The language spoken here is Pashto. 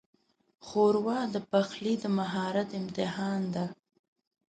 ښوروا د پخلي د مهارت امتحان ده.